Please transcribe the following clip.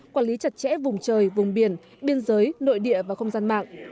quản lý chặt chẽ vùng trời vùng biển biên giới nội địa và không gian mạng